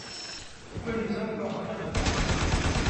Peu nous importe maintenant !